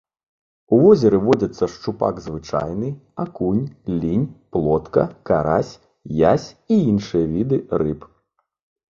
У возеры водзяцца шчупак звычайны, акунь, лінь, плотка, карась, язь і іншыя віды рыб.